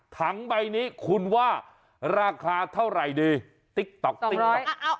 ถังใบนี้คุณว่าราคาเท่าไหร่ดีติ๊กต๊อกติ๊กต๊อก